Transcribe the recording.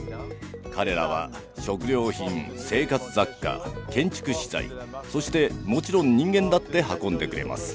彼らは食料品生活雑貨建築資材そしてもちろん人間だって運んでくれます。